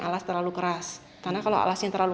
alas terlalu keras karena kalau alas yang terlalu